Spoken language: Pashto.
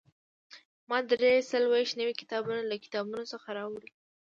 ما درې څلوېښت نوي کتابونه له کتابتون څخه راوړل.